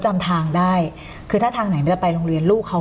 จำทางได้คือถ้าทางไหนมันจะไปโรงเรียนลูกเขา